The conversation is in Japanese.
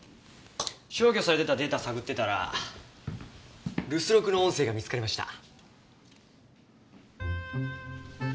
消去されてたデータ探ってたら留守録の音声が見つかりました。